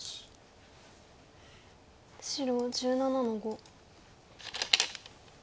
白１７の五。